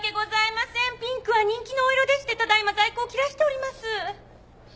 ピンクは人気のお色でしてただ今在庫を切らしております。